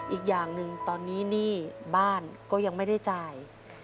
อีกอย่างหนึ่งตอนนี้หนี้บ้านก็ยังไม่ได้จ่าย